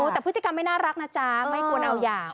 แต่พฤติกรรมไม่น่ารักนะจ๊ะไม่ควรเอาอย่าง